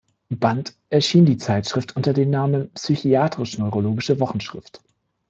Band erschien die Zeitschrift unter dem Namen "Psychiatrisch-Neurologische Wochenschrift.